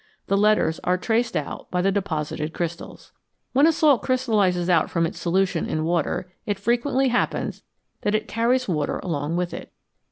The letters are traced out by the deposited crystals. When a salt crystallises out from its solution in water it frequently happens that it carries water along with it.